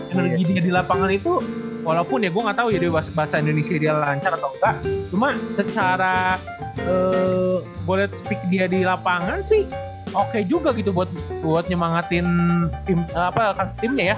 energinya di lapangan itu walaupun ya gua nggak tau ya bahasa indonesia dia lancar atau nggak cuma secara gue liat speak dia di lapangan sih oke juga gitu buat nyemangatin timnya ya